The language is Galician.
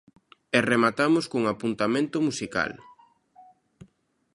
E rematamos cun apuntamento musical.